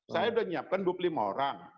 saya udah nyiapkan dua puluh lima orang